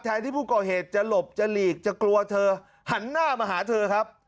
ที่ผู้ก่อเหตุจะหลบจะหลีกจะกลัวเธอหันหน้ามาหาเธอครับ